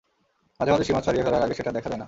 মাঝে মাঝে সীমা ছাড়িয়ে ফেলার আগে সেটা দেখা যায় না।